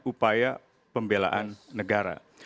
upaya pembelaan negara